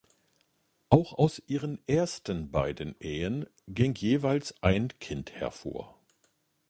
Auch aus ihren ersten beiden Ehen ging jeweils ein Kind hervor.